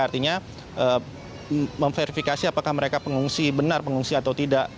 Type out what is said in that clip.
artinya memverifikasi apakah mereka pengungsi benar pengungsi atau tidak